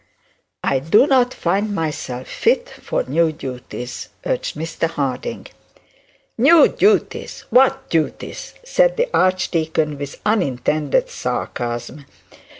'I do not find myself fit for new duties,' urged Mr Harding. 'New duties! what duties?' said the archdeacon, with unintended sarcasm.